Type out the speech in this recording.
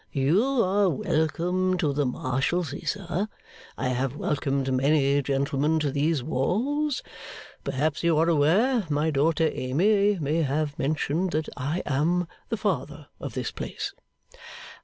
'You are welcome to the Marshalsea, sir. I have welcomed many gentlemen to these walls. Perhaps you are aware my daughter Amy may have mentioned that I am the Father of this place.